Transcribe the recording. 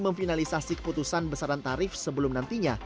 memfinalisasi keputusan besaran tarif sebelum nantinya